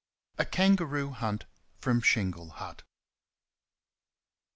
A Kangaroo Hunt from Shingle Hut.